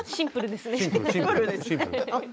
シンプルですね。